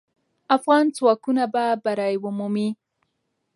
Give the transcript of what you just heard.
افغان ځواکونه به بری مومي.